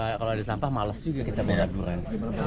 kalau gak kalau ada sampah males juga kita beraguran